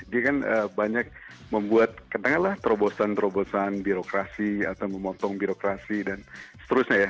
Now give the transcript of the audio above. dia kan banyak membuat katakanlah terobosan terobosan birokrasi atau memotong birokrasi dan seterusnya ya